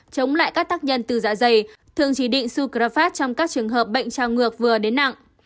chống lại các tác nhân từ dạ dày thường chỉ định sukrafast trong các trường hợp bệnh trào ngược vừa đến nặng